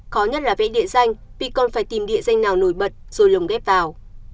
khó nhất là vẽ địa danh vì con phải tìm địa danh nào nổi bật rồi lồng ghép vào